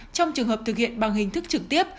trong trường hợp thực hiện bằng hình thức trực tiếp